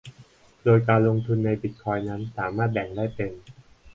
โดยการลงทุนในบิตคอยน์นั้นสามารถแบ่งได้เป็น